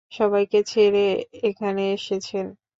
সবাইকে ছেড়ে এখানে এসেছেন।